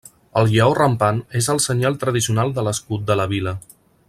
El lleó rampant és el senyal tradicional de l'escut de la vila.